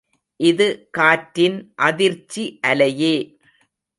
இது காற்றின் அதிர்ச்சி அலையே.